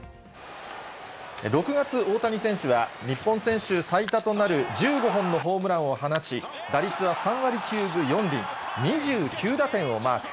６月、大谷選手は日本選手最多となる１５本のホームランを放ち、打率は３割９分４厘、２９打点をマーク。